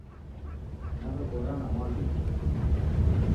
Naw'ebora na Mwaluma